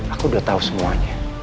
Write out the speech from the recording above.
aku udah tau semuanya